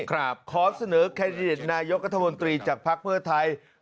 ขอเสนอแคนดิเดตนายกัธมนตรีจากภักดิ์เพื่อไทย